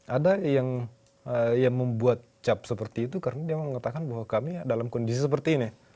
ada yang membuat cap seperti itu karena dia mengatakan bahwa kami dalam kondisi seperti ini